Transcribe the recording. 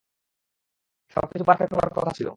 সবকিছু পার্ফেক্ট হবার কথা ছিল।